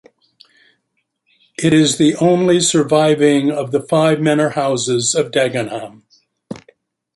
It is the only surviving of the five manor houses of Dagenham.